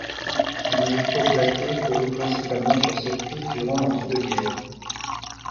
Enrico Platé courut principalement sur circuit durant l'entre-deux-guerres.